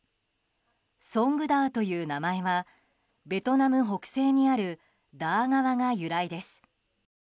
ソングダーという名前はベトナム北西にあるダー川が由来です。